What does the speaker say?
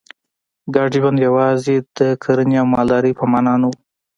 ګډ ژوند یوازې د کرنې او مالدارۍ په معنا نه و